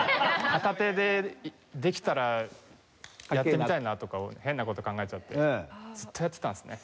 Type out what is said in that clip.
片手でできたらやってみたいなとか変な事を考えちゃってずっとやってたんですね。